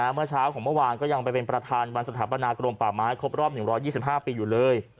เมื่อเช้าของเมื่อวานก็ยังไปเป็นประธานวันสถาปนากรมป่าไม้ครบรอบ๑๒๕ปีอยู่เลย